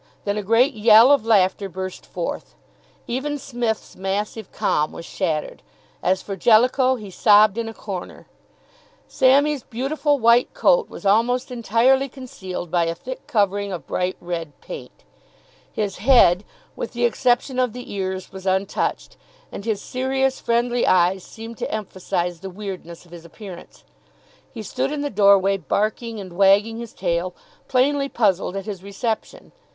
Then a great yell of laughter burst forth. Even Psmith's massive calm was shattered. As for Jellicoe, he sobbed in a corner. Sammy's beautiful white coat was almost entirely concealed by a thick covering of bright red paint. His head, with the exception of the ears, was untouched, and his serious, friendly eyes seemed to emphasise the weirdness of his appearance. He stood in the doorway, barking and wagging his tail, plainly puzzled at his reception.